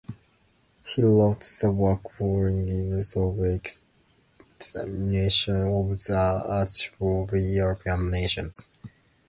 He wrote the work following years of examinations of the archives of European nations.